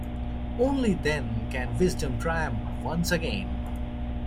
Only then can wisdom triumph once again.